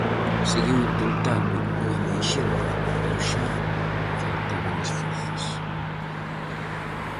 Seguiu intentando o Ameixenda pero xa faltaban as forzas.